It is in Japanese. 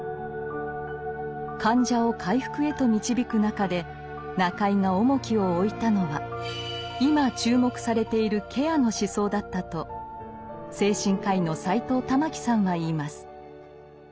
患者を回復へと導く中で中井が重きを置いたのは今注目されている「ケアの思想」だったと精神科医の斎藤環さんは言います。